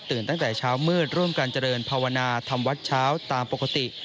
ตั้งแต่เช้ามืดร่วมกันเจริญภาวนาทำวัดเช้าตามปกติ